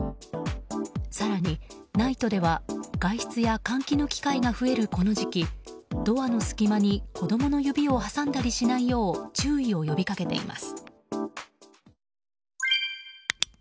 更にＮＩＴＥでは、外出や換気の機会が増えるこの時期ドアの隙間に子供の指を挟んだりしないよう注意を呼びかけています。